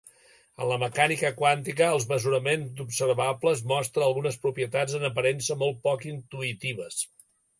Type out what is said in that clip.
En la mecànica quàntica, el mesurament d'observables mostra algunes propietats en aparença molt poc intuïtives.